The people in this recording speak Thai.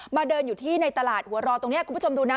เดินอยู่ที่ในตลาดหัวรอตรงนี้คุณผู้ชมดูนะ